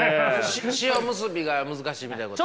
塩むすびが難しいみたいなことですか。